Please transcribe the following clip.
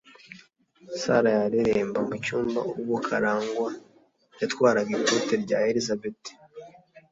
Sarah yareremba mu cyumba ubwo Karangwa yatwaraga ikote rya Elisabeth.